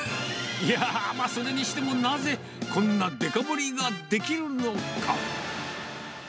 いやー、それにしてもなぜ、こんなデカ盛りができるのか。